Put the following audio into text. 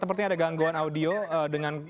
sepertinya ada gangguan audio dengan